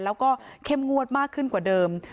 แล้วก็เข้มงวดมากขึ้นกว่าเดิม